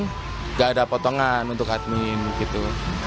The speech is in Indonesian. tidak ada potongan untuk admin gitu